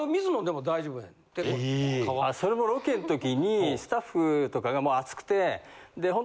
それもロケん時にスタッフとかが暑くて。